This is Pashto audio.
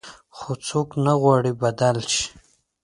خو څوک نه غواړي بدل شي.